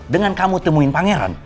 dengan kamu temuin pangeran